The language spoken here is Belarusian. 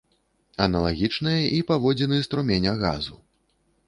Аналагічныя і паводзіны струменя газу.